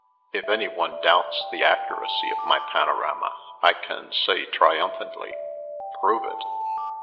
If any one doubts the accuracy of my panorama, I can say triumphantly, 'Prove it!'"